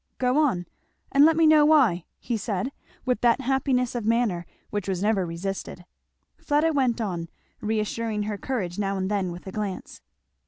"Go on, and let me know why?" he said, with that happiness of manner which was never resisted. Fleda went on, reassuring her courage now and then with a glance.